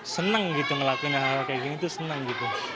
senang melakukan hal hal seperti ini senang